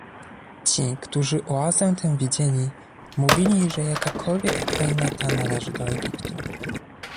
Ci, którzy oazę tę widzieli, mówili, że jakakolwiek kraina ta należy do Egiptu.